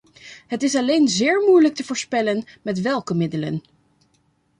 Het is alleen zeer moeilijk te voorspellen met welke middelen.